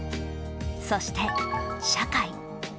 そして「社会」。